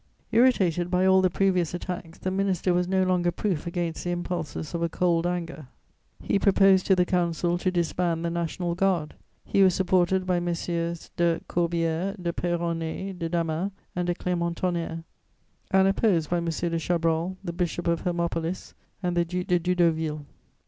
] Irritated by all the previous attacks, the minister was no longer proof against the impulses of a cold anger; he proposed to the Council to disband the National Guard. He was supported by Messieurs de Corbière, de Peyronnet, de Damas and de Clermont Tonnerre and opposed by M. de Chabrol, the Bishop of Hermopolis and the Duc de Doudeauville.